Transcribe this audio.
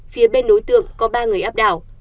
phía bên đối tượng có ba người áp đảo